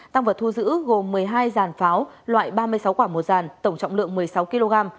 tang vật thu giữ gồm một mươi hai giàn pháo loại ba mươi sáu quả một giàn tổng trọng lượng một mươi sáu kg